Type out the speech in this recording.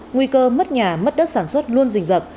nguy cơ mất nhà mất đất sản xuất luôn rình rập